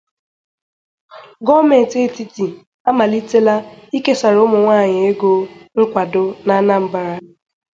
Gọọmenti Etiti Amalitela Ikesàrà Ụmụnwaanyị Ego Nkwàdo n'Anambra